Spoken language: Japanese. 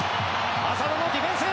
浅野のディフェンス！